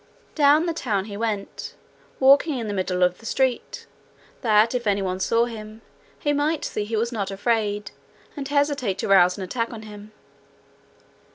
Down the town he went, walking in the middle of the street, that, if any one saw him, he might see he was not afraid, and hesitate to rouse an attack on him.